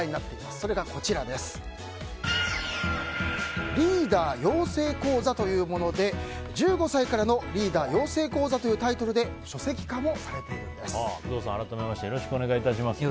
それがリーダー養成講座というもので「１５歳からのリーダー養成講座」というタイトルで工藤さん、改めましてよろしくお願いします。